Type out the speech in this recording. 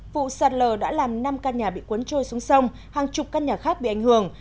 vụ sạt lở đã làm năm căn nhà bị cuốn trôi xuống sông hàng chục căn nhà khác bị ảnh hưởng